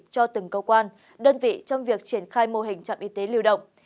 cho từng cơ quan đơn vị trong việc triển khai mô hình trạm y tế lưu động